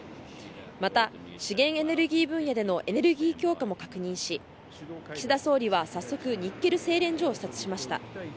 また、資源エネルギー分野でのエネルギー強化も確認し岸田総理は早速ニッケル精錬所を視察しました。